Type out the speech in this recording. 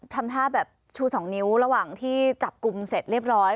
ทำท่าแบบชู๒นิ้วระหว่างที่จับกลุ่มเสร็จเรียบร้อย